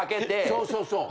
そうそうそう。